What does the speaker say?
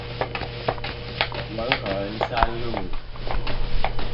文橫三路